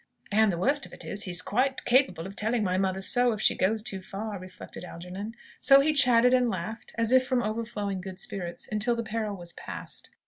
"And the worst of it is, he's quite capable of telling my mother so, if she goes too far," reflected Algernon. So he chatted and laughed, as if from overflowing good spirits, until the peril was past.